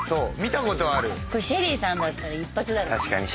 ＳＨＥＬＬＹさんだったら一発だね。